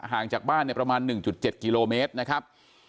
ห่างจากบ้านประมาณ๑๗กิโลเมตรนะครับ